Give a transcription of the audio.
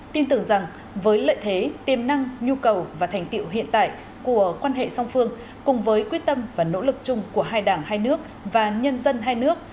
tin tưởng rằng với lợi thế tiềm năng nhu cầu và thành tiệu hiện tại của quan hệ song phương cùng với quyết tâm và nỗ lực chung của hai đảng hai nước và nhân dân hai nước